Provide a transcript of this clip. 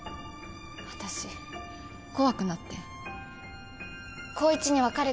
私怖くなって光一に別れたいって。